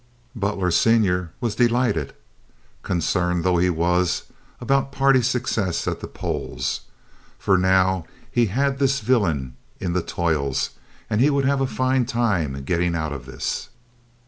Butler, Sr., was delighted (concerned though he was about party success at the polls), for now he had this villain in the toils and he would have a fine time getting out of this.